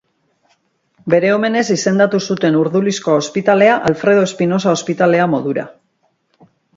Bere omenez izendatu zuten Urdulizko ospitalea Alfredo Espinosa Ospitalea modura.